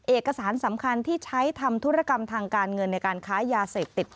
เอกสารสำคัญที่ใช้ทำธุรกรรมทางการเงินในการค้ายาเสพติด